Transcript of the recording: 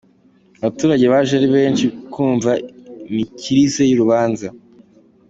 Abaturage baje ari benshi kumva imikirize y’urubanza.